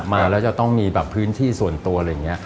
มาแล้วจะต้องมีแบบพื้นที่ส่วนตัวอะไรอย่างนี้